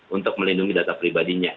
untuk melindungi data pribadinya